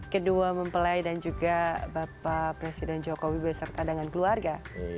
kedua mempelai dan juga bapak presiden jokowi beserta dengan keluarga